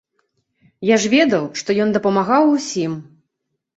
Я ж ведаў, што ён дапамагаў усім.